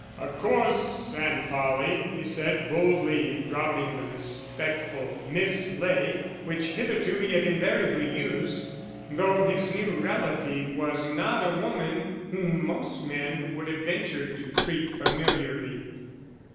"Of course, Aunt Polly," he said, boldly dropping the respectful Miss Ley, which hitherto he had invariably used, though his new relative was not a woman whom most men would have ventured to treat familiarly.